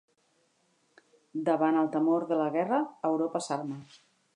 Davant el temor de la guerra, Europa s'arma.